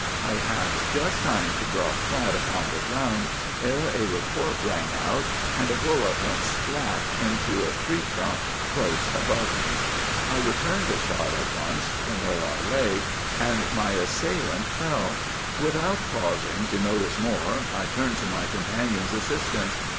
I had just time to drop flat upon the ground, ere a report rang out, and a bullet went spat into a tree trunk close above me. I returned the shot at once from where I lay, and my assailant fell. "Without pausing to notice more, I turned to my companion's assistance.